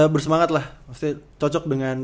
bersemangat lah maksudnya cocok dengan